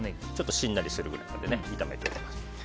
しんなりするぐらいまで炒めておきました。